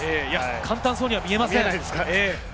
簡単そうに見えません。